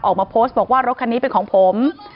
ออกมาโพสต์บอกว่ารถคันนี้เป็นของผม